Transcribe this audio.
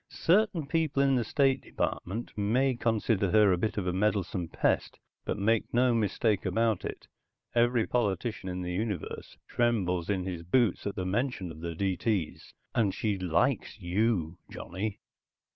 Certain people in the State Department may consider her a bit of a meddlesome pest, but make no mistake about it, every politician in the universe trembles in his boots at the very mention of the D.T.'s. And she likes you, Johnny."